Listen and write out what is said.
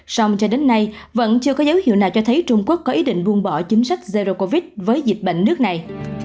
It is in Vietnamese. song cho đến nay vẫn chưa có dấu hiệu nào cho thấy trung quốc có ý định buông bỏ chính sách zero covid với dịch bệnh nước này